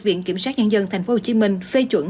viện kiểm soát nhân dân tp hcm phê chuẩn